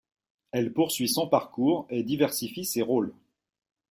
Elle poursuit son parcours et diversifie ses rôles.